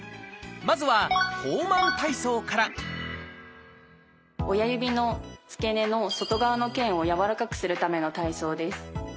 まずは「ホーマン体操」から親指の付け根の外側の腱をやわらかくするための体操です。